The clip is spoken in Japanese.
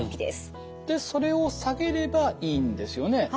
でそれを下げればいいんですよね？